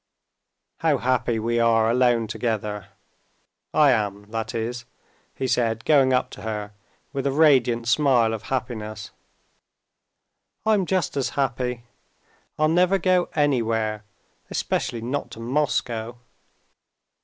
"How happy we are alone together!—I am, that is," he said, going up to her with a radiant smile of happiness. "I'm just as happy. I'll never go anywhere, especially not to Moscow."